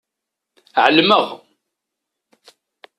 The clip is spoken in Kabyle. Ɛelmeɣ.